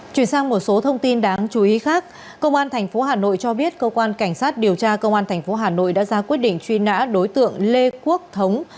chuyển sang một số thông tin đáng chú ý khác công an tp hà nội cho biết cơ quan cảnh sát điều tra công an tp hà nội đã ra quyết định truy nã đối tượng lê quốc thống